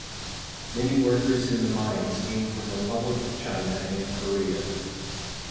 Many workers in the mines came from Republic of China and Korea.